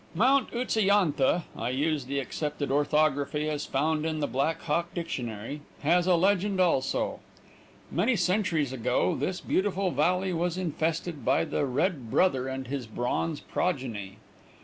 Mount Utsa yantha I use the accepted orthography as found in the Blackhawk dictionary has a legend also. Many centuries ago this beautiful valley was infested by the red brother and his bronze progeny.